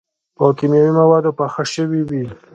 پۀ کيماوي موادو پاخۀ شوي وي